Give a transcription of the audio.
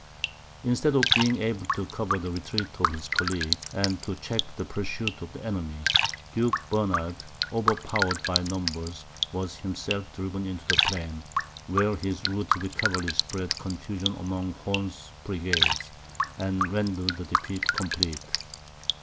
Instead of being able to cover the retreat of his colleague, and to check the pursuit of the enemy, Duke Bernard, overpowered by numbers, was himself driven into the plain, where his routed cavalry spread confusion among Horn's brigade, and rendered the defeat complete.